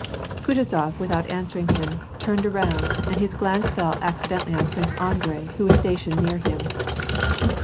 Kutuzof, without answering him, turned around, and his glance fell accidentally on Prince Andrei who was stationed near him.